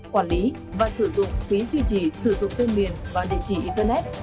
quản lý và sử dụng phí duy trì sử dụng tên miền và địa chỉ internet